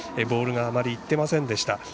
ボールがあまりいってませんでした。